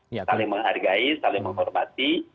saling menghargai saling menghormati